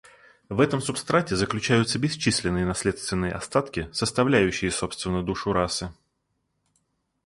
В этом субстрате заключаются бесчисленные наследственные остатки, составляющие собственно душу расы.